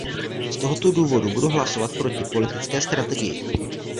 Z tohoto důvodu budu hlasovat proti politické strategii.